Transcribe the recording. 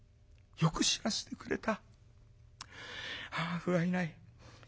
よく知らしてくれた」。